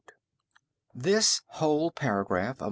This whole paragraph of M.